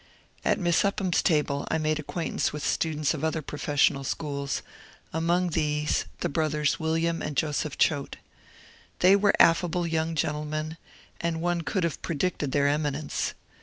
At Miss Upham's table I made acquaintance with students of other professional schools, among these, the brothers Wil liam and Joseph Choate. They were affable young gentlemen, and one could have predicted their eminence.